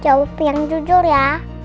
jawab yang jujur ya